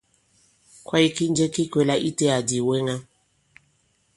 Kwaye ki njɛ ki kwɛ̄lā itē àdì ìwɛŋa?